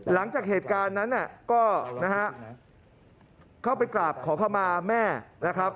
หลังจากเหตุการณ์นั้นก็นะฮะเข้าไปกราบขอเข้ามาแม่นะครับ